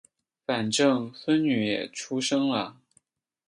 反正孙女也出生了